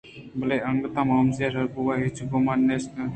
بلے انگت موسم ءِ شربُوہگ ئے ہچ گُمان نیست اَت